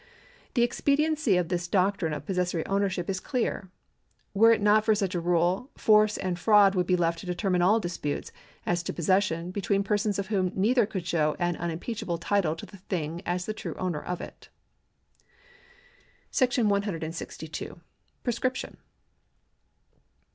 The expediency of this doctrine of possessory ownership is clear. Were it not for such a rule, force and fraud would be left to determine all disputes as to possession, between persons of whom neither could show an unimpeachable title to the thing as the true owner of it.^ § 162. Prescription.